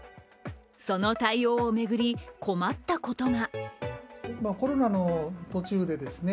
その対応を巡り困ったことが。